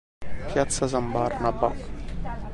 Piazza San Barnaba